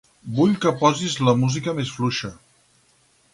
Vull que posis la música més fluixa.